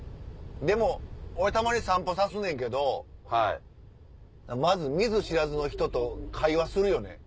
でも俺たまに散歩さすねんけどまず見ず知らずの人と会話するよね。